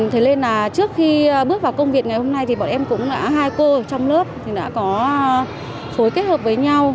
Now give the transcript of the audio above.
thế nên là trước khi bước vào công việc ngày hôm nay thì bọn em cũng đã hai cô trong lớp đã có khối kết hợp với nhau